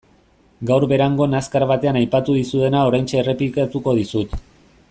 Gaur Berangon azkar batean aipatu dizudana oraintxe errepikatuko dizut.